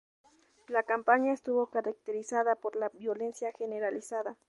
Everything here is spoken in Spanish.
La campaña estuvo caracterizada por la violencia generalizada.